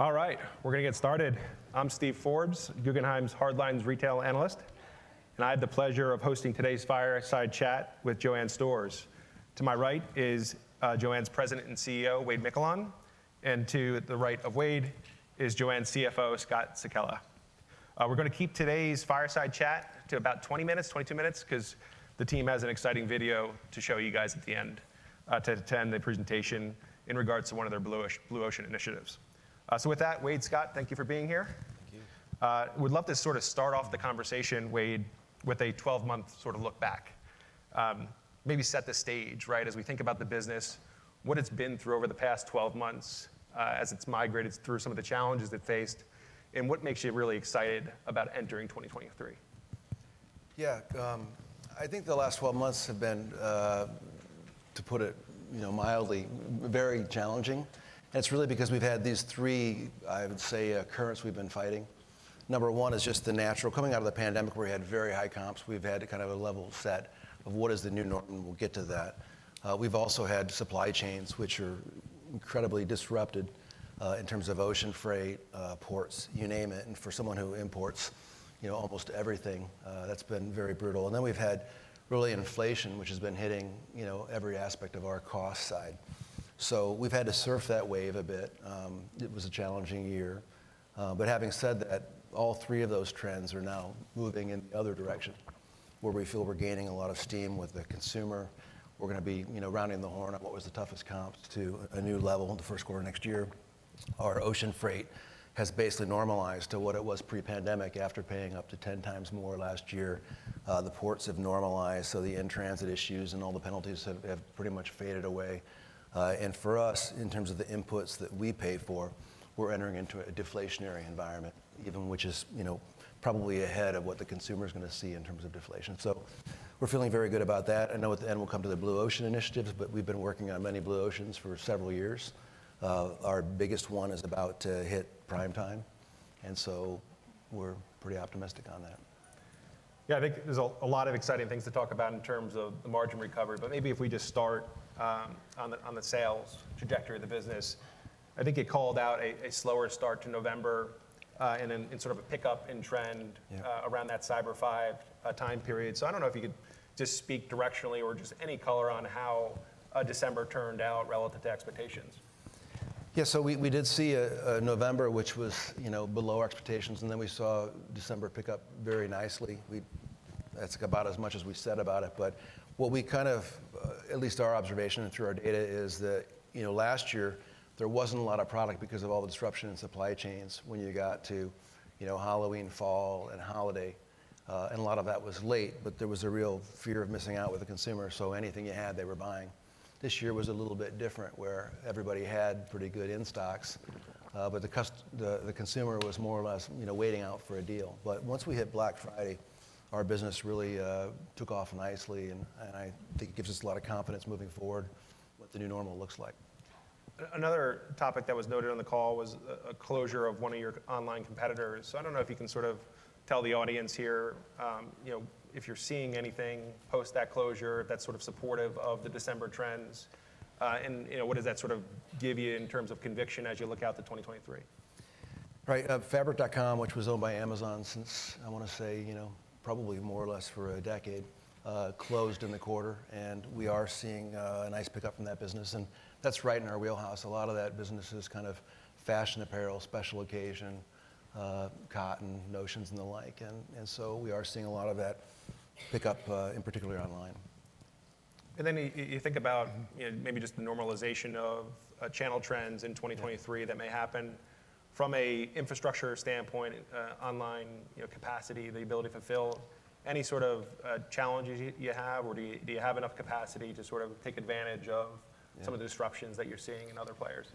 All right, we're gonna get started. I'm Steve Forbes, Guggenheim's Hardlines retail analyst, I have the pleasure of hosting today's fireside chat with JOANN. To my right is JOANN's President and CEO, Wade Miquelon, to the right of Wade is JOANN's CFO, Scott Sekella. We're gonna keep today's fireside chat to about 20 minutes, 22 minutes 'cause the team has an exciting video to show you guys at the end to end the presentation in regards to one of their Blue Ocean initiatives. With that, Wade, Scott, thank you for being here. Thank you. Would love to sort of start off the conversation, Wade, with a 12-month sorta look back. Maybe set the stage, right, as we think about the business, what it's been through over the past 12 months, as it's migrated through some of the challenges it faced, and what makes you really excited about entering 2023. Yeah. I think the last 12 months have been, to put it, you know, mildly, very challenging. It's really because we've had these three, I would say, currents we've been fighting. Number one is just the natural coming out of the pandemic, where we had very high comps. We've had to kind of a level set of what is the new normal. We'll get to that. We've also had supply chains, which are incredibly disrupted, in terms of ocean freight, ports, you name it. For someone who imports, you know, almost everything, that's been very brutal. Then we've had really inflation, which has been hitting, you know, every aspect of our cost side. We've had to surf that wave a bit. It was a challenging year. Having said that, all three of those trends are now moving in the other direction, where we feel we're gaining a lot of steam with the consumer. We're gonna be, you know, rounding the horn on what was the toughest comps to a new level in the first quarter next year. Our ocean freight has basically normalized to what it was pre-pandemic after paying up to 10 times more last year. The ports have normalized, so the in-transit issues and all the penalties have pretty much faded away. For us, in terms of the inputs that we pay for, we're entering into a deflationary environment, even which is, you know, probably ahead of what the consumer's gonna see in terms of deflation. We're feeling very good about that. I know at the end we'll come to the Blue Ocean initiatives. We've been working on many Blue Oceans for several years. Our biggest one is about to hit prime time. We're pretty optimistic on that. I think there's a lot of exciting things to talk about in terms of the margin recovery, but maybe if we just start on the sales trajectory of the business. I think you called out a slower start to November, and sort of a pickup in trend. Yeah Around that Cyber Five time period. I don't know if you could just speak directionally or just any color on how December turned out relative to expectations. We did see a November which was, you know, below expectations, and then we saw December pick up very nicely. That's about as much as we've said about it. What we kind of, at least our observation through our data is that, you know, last year, there wasn't a lot of product because of all the disruption in supply chains when you got to, you know, Halloween, fall, and holiday. A lot of that was late, but there was a real fear of missing out with the consumer, so anything you had, they were buying. This year was a little bit different, where everybody had pretty good in-stocks, but the consumer was more or less, you know, waiting out for a deal. Once we hit Black Friday, our business really took off nicely and I think it gives us a lot of confidence moving forward what the new normal looks like. Another topic that was noted on the call was a closure of one of your online competitors. I don't know if you can sort of tell the audience here, you know, if you're seeing anything post that closure that's sort of supportive of the December trends, and, you know, what does that sort of give you in terms of conviction as you look out to 2023. Right. Fabric.com, which was owned by Amazon since, I wanna say, you know, probably more or less for a decade, closed in the quarter. We are seeing a nice pickup from that business. That's right in our wheelhouse. A lot of that business is kind of fashion apparel, special occasion, cotton, notions, and the like. So we are seeing a lot of that pick up, in particular online. And then you think about, you know, maybe just the normalization of channel trends in 2023 that may happen. From a infrastructure standpoint, online, you know, capacity, the ability to fulfill, any sort of challenges you have, or do you have enough capacity to sort of take advantage of? Some of the disruptions that you're seeing in other players?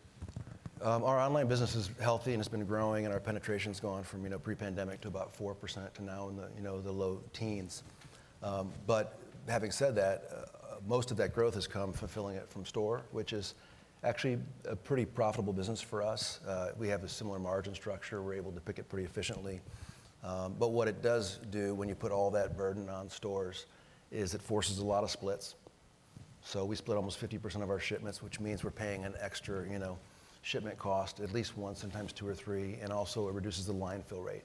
Our online business is healthy, and it's been growing, and our penetration's gone from, you know, pre-pandemic to about 4% to now in the, you know, the low teens. Having said that, most of that growth has come fulfilling it from store, which is actually a pretty profitable business for us. We have a similar margin structure. We're able to pick it pretty efficiently. What it does do when you put all that burden on stores is it forces a lot of splits. We split almost 50% of our shipments, which means we're paying an extra, you know, shipment cost at least once, sometimes two or three. Also it reduces the line fill rate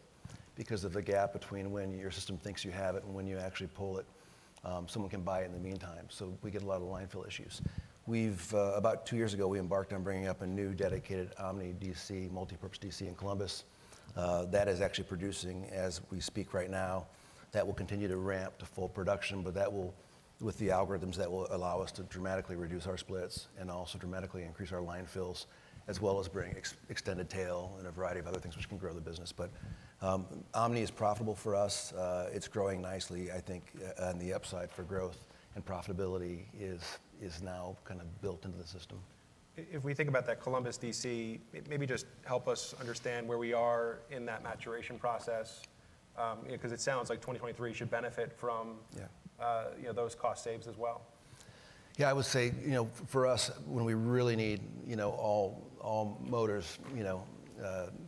because of the gap between when your system thinks you have it and when you actually pull it, someone can buy it in the meantime. We get a lot of line fill issues. About two years ago, we embarked on bringing up a new dedicated omni DC, multipurpose DC in Columbus that is actually producing as we speak right now. That will continue to ramp to full production, but that will with the algorithms, that will allow us to dramatically reduce our splits and also dramatically increase our line fills, as well as bring extended tail and a variety of other things which can grow the business. Omni is profitable for us. It's growing nicely. I think on the upside for growth and profitability is now kinda built into the system. If we think about that Columbus DC, maybe just help us understand where we are in that maturation process. you know, 'cause it sounds like 2023 should benefit from... Yeah... you know, those cost saves as well. I would say, you know, for us, when we really need, you know, all motors, you know,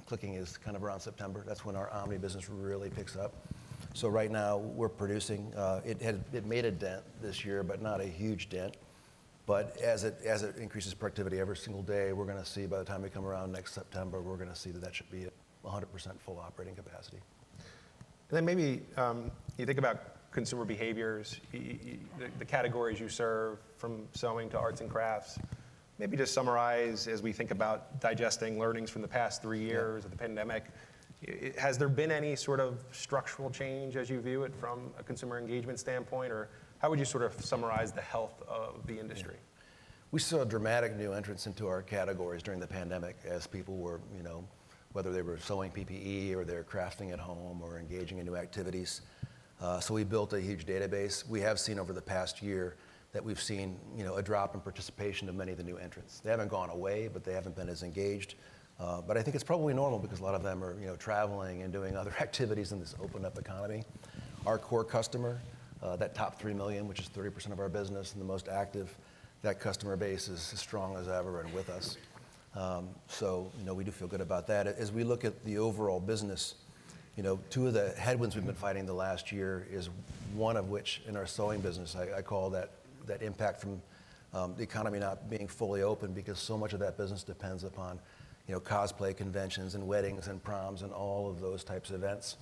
clicking is kind of around September. That's when our omni business really picks up. Right now we're producing, It made a dent this year, but not a huge dent. As it increases productivity every single day, we're gonna see by the time we come around next September, we're gonna see that should be at 100% full operating capacity. Then maybe, you think about consumer behaviors. The categories you serve from sewing to arts and crafts, maybe just summarize as we think about digesting learnings from the past three years of the pandemic, has there been any sort of structural change as you view it from a consumer engagement standpoint, or how would you sort of summarize the health of the industry? Yeah. We saw dramatic new entrants into our categories during the pandemic as people were, you know, whether they were sewing PPE or they were crafting at home or engaging in new activities, so we built a huge database. We have seen over the past year that we've seen, you know, a drop in participation of many of the new entrants. They haven't gone away, but they haven't been as engaged. But I think it's probably normal because a lot of them are, you know, traveling and doing other activities in this opened up economy. Our core customer, that top $3 million, which is 30% of our business and the most active, that customer base is as strong as ever and with us. You know, we do feel good about that. As we look at the overall business, you know, two of the headwinds we've been fighting the last year is one of which in our sewing business, I call that impact from the economy not being fully open because so much of that business depends upon, you know, cosplay conventions and weddings and proms and all of those types of events.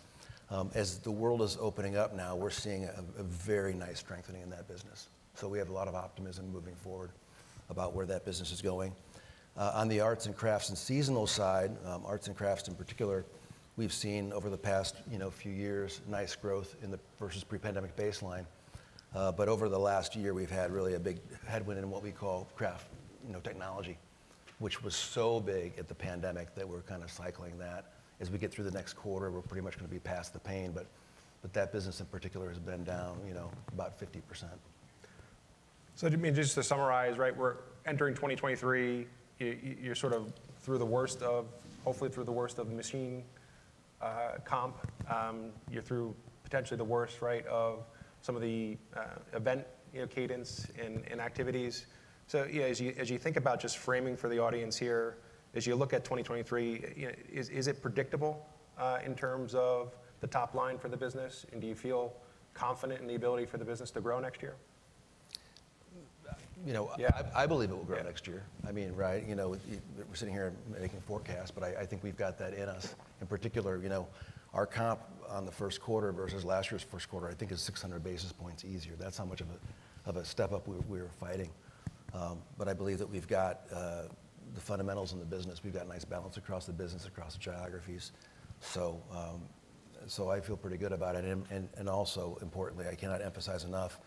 As the world is opening up now, we're seeing a very nice strengthening in that business. We have a lot of optimism moving forward about where that business is going. On the arts and crafts and seasonal side, arts and crafts in particular, we've seen over the past, you know, few years, nice growth in the versus pre-pandemic baseline. But over the last year, we've had really a big headwind in what we call Craft Technology, which was so big at the pandemic that we're kinda cycling that. As we get through the next quarter, we're pretty much gonna be past the pain, but that business in particular has been down, you know, about 50%. So you mean, just to summarize, right, we're entering 2023, you're sort of through the worst of hopefully through the worst of machine comp. You're through potentially the worst, right, of some of the event, you know, cadence and activities. Yeah, as you, as you think about just framing for the audience here, as you look at 2023, is it predictable in terms of the top line for the business, and do you feel confident in the ability for the business to grow next year? You know. Yeah. I believe it will grow next year. I mean, right, you know, we're sitting here making forecasts, but I think we've got that in us. In particular, you know, our comp on the first quarter versus last year's first quarter, I think is 600 basis points easier. That's how much of a, of a step up we're fighting. I believe that we've got the fundamentals in the business. We've got nice balance across the business, across the geographies. I feel pretty good about it. And also importantly, I cannot emphasize enough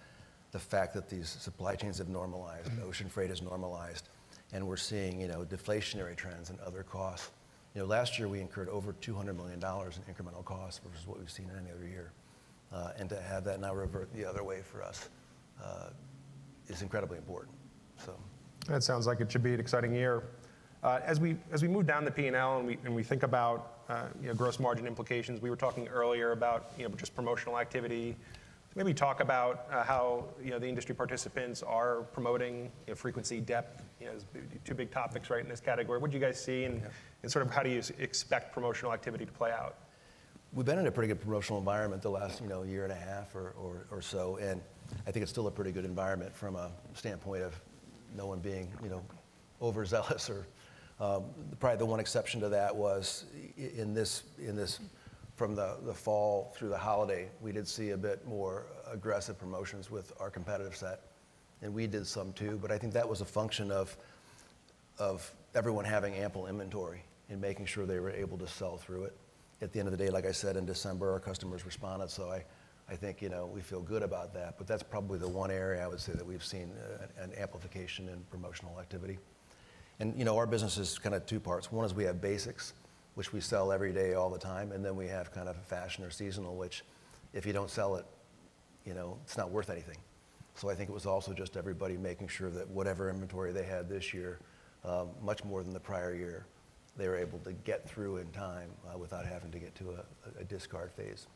the fact that these supply chains have normalized, ocean freight has normalized, and we're seeing, you know, deflationary trends in other costs. You know, last year we incurred over $200 million in incremental costs, versus what we've seen in any other year. To have that now revert the other way for us, is incredibly important, so. That sounds like it should be an exciting year. As we move down the P&L and we think about, you know, gross margin implications, we were talking earlier about, you know, just promotional activity. Maybe talk about, how, you know, the industry participants are promoting, you know, frequency, depth, you know, two big topics, right, in this category. What'd you guys see? Sort of how do you expect promotional activity to play out? We've been in a pretty good promotional environment the last, you know, year and a half or so. I think it's still a pretty good environment from a standpoint of no one being, you know, overzealous or probably the one exception to that was from the fall through the holiday, we did see a bit more aggressive promotions with our competitive set. We did some too. I think that was a function of everyone having ample inventory and making sure they were able to sell through it. At the end of the day, like I said, in December, our customers responded. I think, you know, we feel good about that. That's probably the one area I would say that we've seen an amplification in promotional activity. And you know, our business is kinda two parts. One is we have basics, which we sell every day all the time, and then we have kind of a fashion or seasonal, which if you don't sell it, you know, it's not worth anything. So i think it was also just everybody making sure that whatever inventory they had this year, much more than the prior year, they were able to get through in time, without having to get to a discard phase.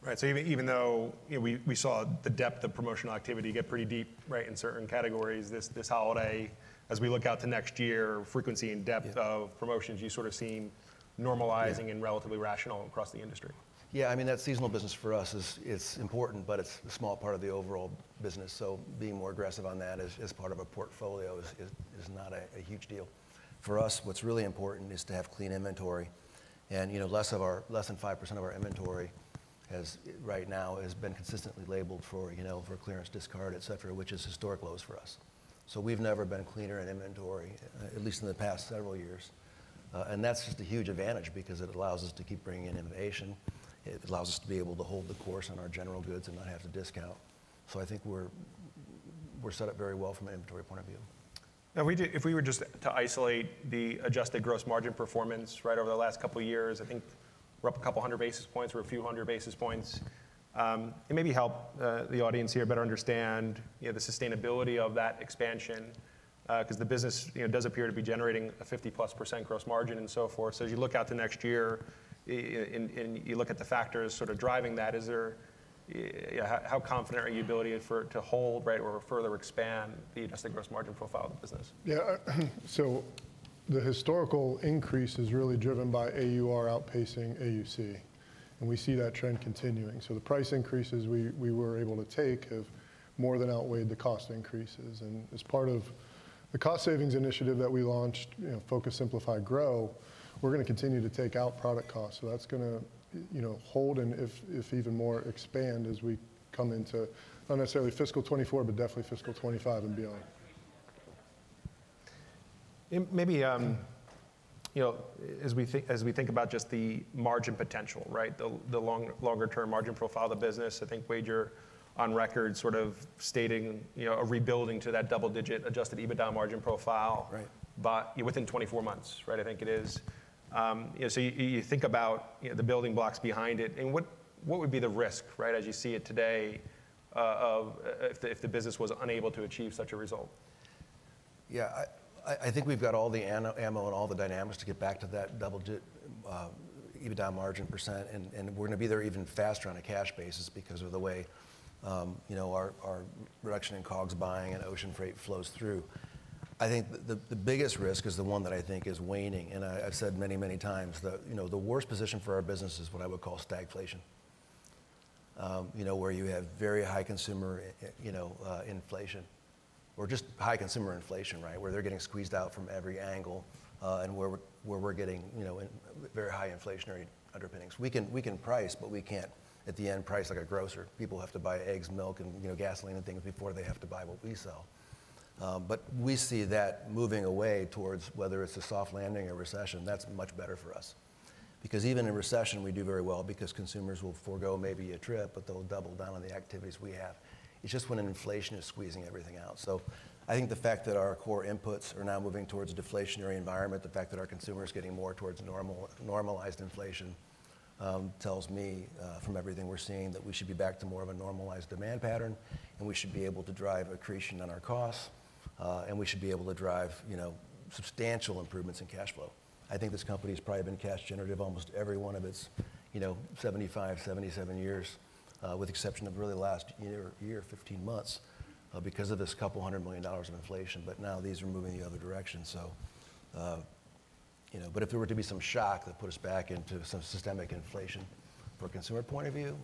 Right. Even though, you know, we saw the depth of promotional activity get pretty deep, right, in certain categories this holiday, as we look out to next year, frequency and depth of promotions, you sort of seem normalizing and relatively rational across the industry. Yeah. I mean, that seasonal business for us is important, but it's a small part of the overall business, so being more aggressive on that as part of a portfolio is not a huge deal. For us, what's really important is to have clean inventory and, you know, less than 5% of our inventory has, right now, been consistently labeled for, you know, for clearance discard, et cetera, which is historic lows for us. We've never been cleaner in inventory, at least in the past several years. That's just a huge advantage because it allows us to keep bringing in innovation. It allows us to be able to hold the course on our general goods and not have to discount. I think we're set up very well from an inventory point of view. If we were just to isolate the adjusted gross margin performance right over the last couple years, I think we're up a couple hundred basis points. We're a few hundred basis points. Maybe help the audience here better understand, you know, the sustainability of that expansion, 'cause the business, you know, does appear to be generating a 50%+ gross margin and so forth. As you look out to next year and you look at the factors sort of driving that, you know, how confident are you ability for it to hold, right, or further expand the adjusted gross margin profile of the business? Yeah. The historical increase is really driven by AUR outpacing AUC. We see that trend continuing. The price increases we were able to take have more than outweighed the cost increases. As part of the cost savings initiative that we launched, you know, Focus, Simplify, Grow, we're gonna continue to take out product costs. That's gonna, you know, hold and if even more expand as we come into, not necessarily fiscal 2024, but definitely fiscal 2025 and beyond. Maybe, you know, as we think about just the margin potential, right? The longer term margin profile of the business, I think Wade, you're on record sort of stating, you know, a rebuilding to that double-digit adjusted EBITDA margin profile. Right. Within 24 months, right? I think it is. you know, so you think about, you know, the building blocks behind it and what would be the risk, right, as you see it today, of if the, if the business was unable to achieve such a result? Yeah, I think we've got all the ammo and all the dynamics to get back to that double digit EBITDA margin %, and we're gonna be there even faster on a cash basis because of the way, you know, our reduction in COGS buying and ocean freight flows through. I think the biggest risk is the one that I think is waning, and I've said many times that, you know, the worst position for our business is what I would call stagflation. You know, where you have very high consumer, you know, inflation or just high consumer inflation, right? Where they're getting squeezed out from every angle, and where we're getting, you know, very high inflationary underpinnings. We can price, but we can't, at the end, price like a grocer. People have to buy eggs, milk, and, you know, gasoline and things before they have to buy what we sell. We see that moving away towards whether it's a soft landing or recession, that's much better for us. Because even in recession, we do very well because consumers will forego maybe a trip, but they'll double down on the activities we have. It's just when an inflation is squeezing everything out. I think the fact that our core inputs are now moving towards a deflationary environment, the fact that our consumer is getting more towards normalized inflation, tells me, from everything we're seeing that we should be back to more of a normalized demand pattern, and we should be able to drive accretion on our costs, and we should be able to drive, you know, substantial improvements in cash flow. I think this company has probably been cash generative almost every one of its, you know, 75, 77 years, with exception of really last year or year, 15 months, because of this $200 million of inflation. Now these are moving the other direction. You know, if there were to be some shock that put us back into some systemic inflation from a consumer point of view,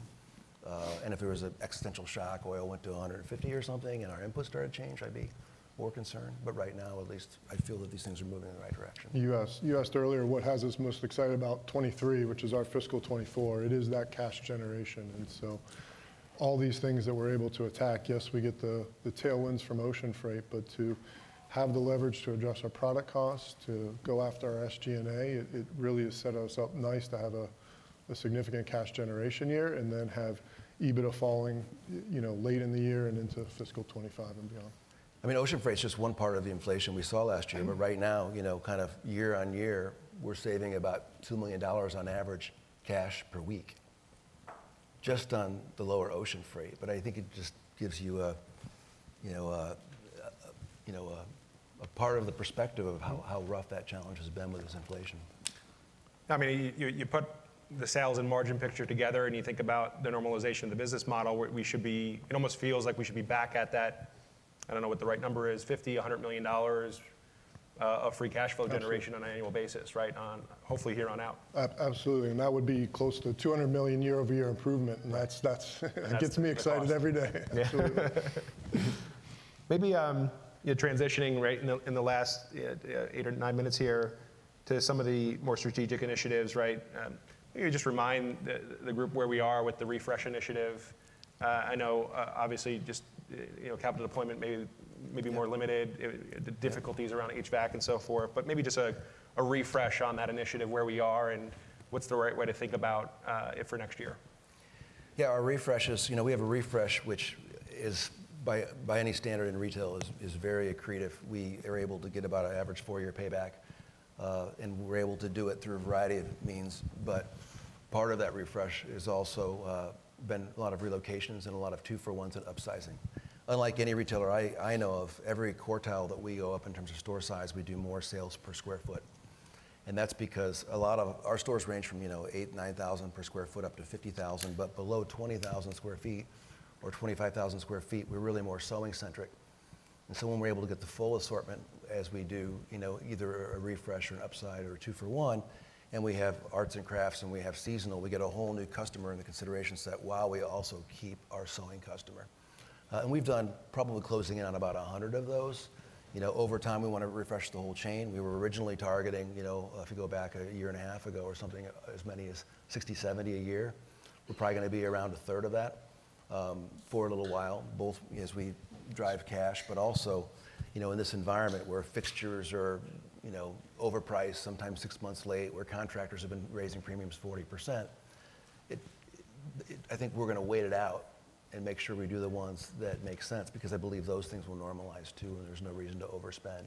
and if there was an existential shock, oil went to $150 or something, and our input started to change, I'd be more concerned. Right now, at least, I feel that these things are moving in the right direction. You asked earlier what has us most excited about 2023, which is our fiscal 2024. It is that cash generation. All these things that we're able to attack, yes, we get the tailwinds from ocean freight, but to have the leverage to address our product costs, to go after our SG&A, it really has set us up nice to have a significant cash generation year and then have EBITDA falling, you know, late in the year and into fiscal 2025 and beyond. I mean, ocean freight is just one part of the inflation we saw last year. Right now, you know, kind of year-over-year, we're saving about $2 million on average cash per week just on the lower ocean freight. I think it just gives you a part of the perspective of how rough that challenge has been with this inflation. I mean, you put the sales and margin picture together, and you think about the normalization of the business model, we it almost feels like we should be back at that, I don't know what the right number is, $50 million-$100 million of free cash flow generation on an annual basis, right? On, hopefully here on out. Absolutely. That would be close to $200 million year-over-year improvement. That's that gets me excited every day. That's awesome. Absolutely. Maybe, you know, transitioning, right, in the last eight or nine minutes here to some of the more strategic initiatives, right? Maybe just remind the group where we are with the refresh initiative. I know, obviously, just, you know, capital deployment may be more limited, the difficulties around HVAC and so forth. Maybe just a refresh on that initiative, where we are, and what's the right way to think about it for next year. Yeah. Our refresh is, you know, we have a refresh, which is by any standard in retail is very accretive. We are able to get about an average four-year payback, and we're able to do it through a variety of means. Part of that refresh has also been a lot of relocations and a lot of two-for-ones and upsizing. Unlike any retailer I know of, every quartile that we go up in terms of store size, we do more sales per square foot. That's because our stores range from, you know, 8,000-9,000 per sq ft up to 50,000, but below 20,000 sq ft or 25,000 sq ft, we're really more sewing-centric. When we're able to get the full assortment, as we do, you know, either a refresh or an upside or a two-for-one, and we have arts and crafts, and we have seasonal, we get a whole new customer in the consideration set while we also keep our sewing customer. We've done probably closing in on about 100 of those. You know, over time, we want to refresh the whole chain. We were originally targeting, you know, if you go back a year and a half ago or something, as many as 60, 70 a year. We're probably gonna be around a third of that for a little while, both as we drive cash, but also, you know, in this environment where fixtures are, you know, overpriced, sometimes six months late, where contractors have been raising premiums 40%. I think we're gonna wait it out and make sure we do the ones that make sense because I believe those things will normalize too, and there's no reason to overspend.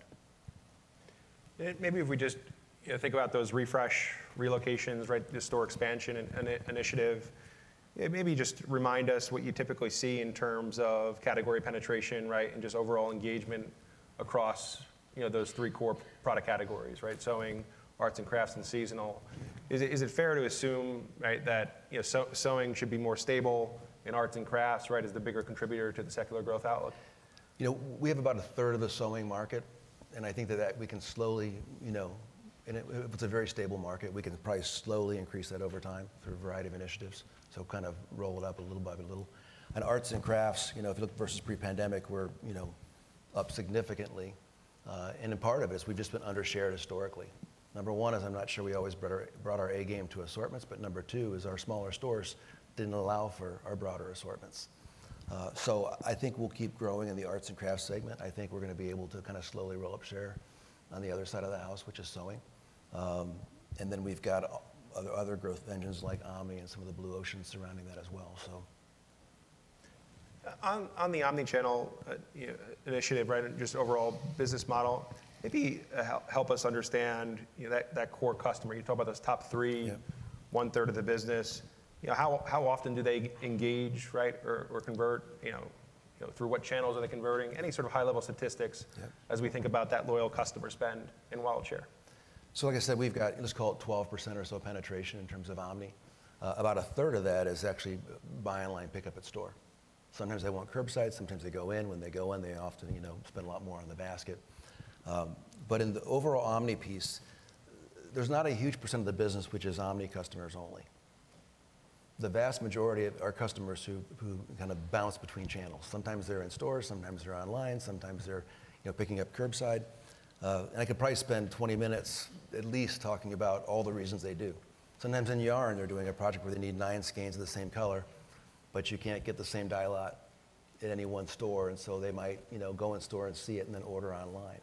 Maybe if we just, you know, think about those refresh relocations, right, the store expansion initiative, maybe just remind us what you typically see in terms of category penetration, right, and just overall engagement across, you know, those three core product categories, right? Sewing, arts and crafts, and seasonal. Is it fair to assume, right, that, you know, sewing should be more stable, and arts and crafts, right, is the bigger contributor to the secular growth outlook? You know, we have about a third of the sewing market, and I think that we can slowly. It's a very stable market, we can probably slowly increase that over time through a variety of initiatives. Kind of roll it up little by little. In arts and crafts, you know, if you look versus pre-pandemic, we're, you know, up significantly. A part of it is we've just been under-shared historically. Number one is I'm not sure we always brought our A game to assortments, but number two is our smaller stores didn't allow for our broader assortments. I think we'll keep growing in the arts and crafts segment. I think we're gonna be able to kinda slowly roll up share on the other side of the house, which is sewing. We've got other growth engines like omni and some of the Blue Oceans surrounding that as well, so. On the omni-channel, you know, initiative, right, and just overall business model, maybe help us understand, you know, that core customer. You talked about those top three 1/3 of the business. You know, how often do they engage, right, or convert, you know? You know, through what channels are they converting? Any sort of high-level statistics- Yeah... as we think about that loyal customer spend and wallet share. Like I said, we've got, let's call it 12% or so penetration in terms of omni. About a third of that is actually buy online, pickup in store. Sometimes they want curbside, sometimes they go in. When they go in, they often, you know, spend a lot more on the basket. In the overall omni piece, there's not a huge percent of the business which is omni customers only. The vast majority of are customers who kinda bounce between channels. Sometimes they're in store, sometimes they're online, sometimes they're, you know, picking up curbside. I could probably spend 20 minutes at least talking about all the reasons they do. Sometimes in yarn they're doing a project where they need nine skeins of the same color, but you can't get the same dye lot at any one store, and so they might, you know, go in store and see it and then order online.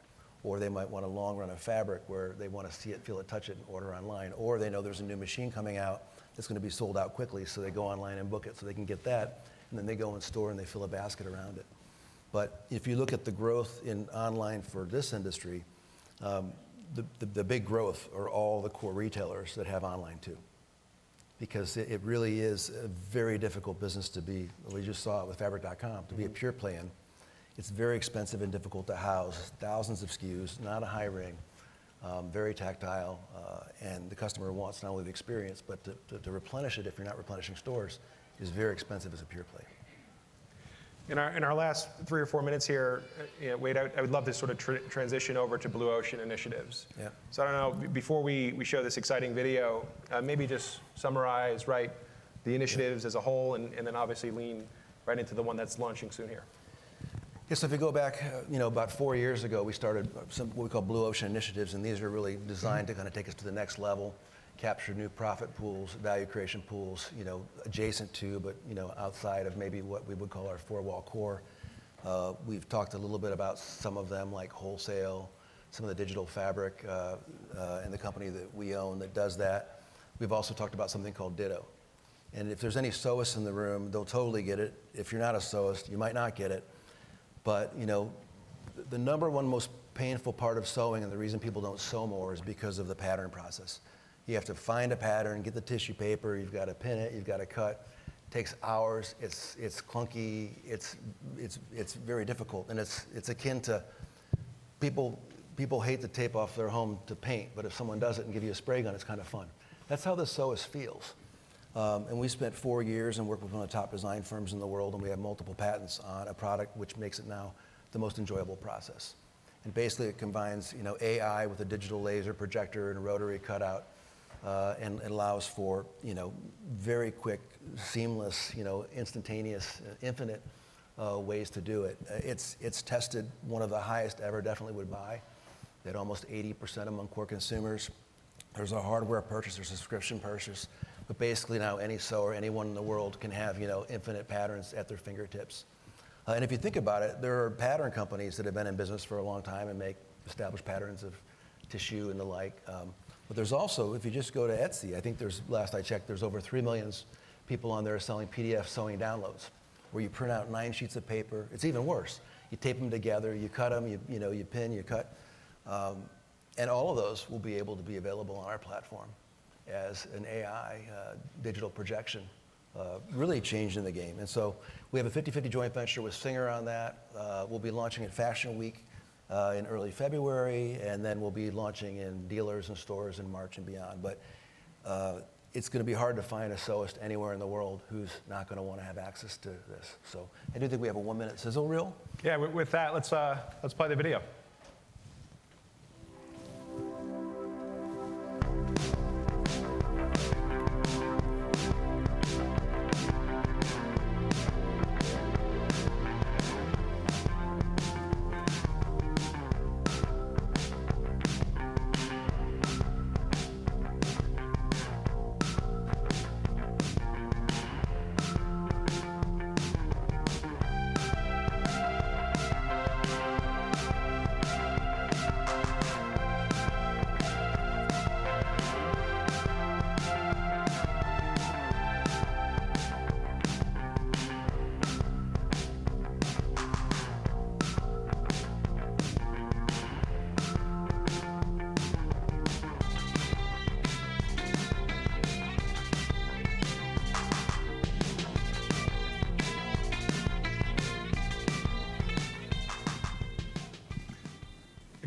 They might want a long run of fabric where they wanna see it, feel it, touch it, and order online. They know there's a new machine coming out that's gonna be sold out quickly, so they go online and book it so they can get that, and then they go in store and they fill a basket around it. But if you look at the growth in online for this industry, the big growth are all the core retailers that have online too. It really is a very difficult business to be, we just saw it with Fabric.com, to be a pure play in. It's very expensive and difficult to house thousands of SKUs, not a high ring, very tactile, and the customer wants not only the experience, but to replenish it if you're not replenishing stores is very expensive as a pure play. In our last three or four minutes here, you know, Wade, I would love to sort of transition over to Blue Ocean initiatives. Yeah. I don't know, before we show this exciting video, maybe just summarize, right, the initiatives as a whole and then obviously lean right into the one that's launching soon here. Yeah, if you go back, you know, about four years ago, we started some what we call Blue Ocean initiatives. These are really designed to kinda take us to the next level, capture new profit pools, value creation pools, you know, adjacent to, but, you know, outside of maybe what we would call our four-wall core. We've talked a little bit about some of them like wholesale, some of the digital fabric, and the company that we own that does that. We've also talked about something called Ditto. If there's any sewists in the room, they'll totally get it. If you're not a sewist, you might not get it. You know, the number 1 most painful part of sewing and the reason people don't sew more is because of the pattern process. You have to find a pattern, get the tissue paper, you've gotta pin it, you've gotta cut. Takes hours, it's clunky, it's very difficult, and it's akin to people hate to tape off their home to paint, but if someone does it and give you a spray gun, it's kinda fun. That's how the sewist feels. We spent four years and worked with one of the top design firms in the world, and we have multiple patents on a product which makes it now the most enjoyable process. Basically it combines, you know, AI with a digital laser projector and a rotary cutout, and allows for, you know, very quick, seamless, you know, instantaneous, infinite ways to do it. It's tested one of the highest ever Definitely Would Buy at almost 80% among core consumers. There's a hardware purchase, there's a subscription purchase, basically now any sewer, anyone in the world can have, you know, infinite patterns at their fingertips. If you think about it, there are pattern companies that have been in business for a long time and make established patterns of tissue and the like, there's also, if you just go to Etsy, I think last I checked, there's over 3 million people on there selling PDF sewing downloads, where you print out nine sheets of paper. It's even worse. You tape them together, you cut them, you know, you pin, you cut, all of those will be able to be available on our platform as an AI digital projection. Really changing the game. We have a 50/50 joint venture with Singer on that. We'll be launching at Fashion Week, in early February, and then we'll be launching in dealers and stores in March and beyond. It's gonna be hard to find a sewist anywhere in the world who's not gonna wanna have access to this. I do think we have a one-minute sizzle reel. Yeah. With that, let's play the video.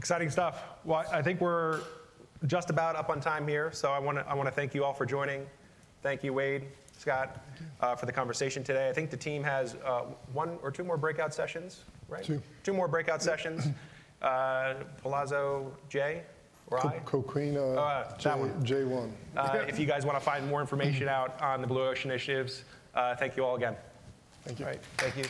Exciting stuff. Well, I think we're just about up on time here, so I wanna thank you all for joining. Thank you, Wade, Scott, for the conversation today. I think the team has one or two more breakout sessions, right? Two. Two more breakout sessions. Palazzo Ballroom, right? Coquina That one. J-J one. If you guys wanna find more information out on the Blue Ocean initiatives, thank you all again. Thank you. All right. Thank you.